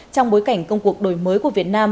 trong bối cảnh công cuộc đổi mới của việt nam